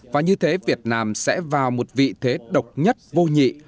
và như thế việt nam sẽ vào một vị thế độc nhất vô nhị